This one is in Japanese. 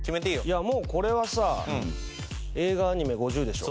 いやもうこれはさ映画・アニメ５０でしょ。